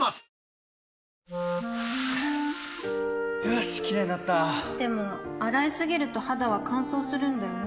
よしキレイになったでも、洗いすぎると肌は乾燥するんだよね